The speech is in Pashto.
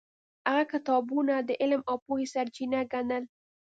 هغه کتابونه د علم او پوهې سرچینه ګڼل.